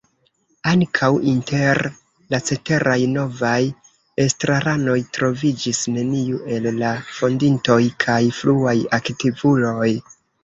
Ankaŭ inter la ceteraj novaj estraranoj troviĝis neniu el la fondintoj kaj fruaj aktivuloj.